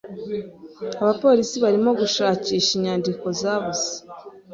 Abapolisi barimo gushakisha inyandiko zabuze.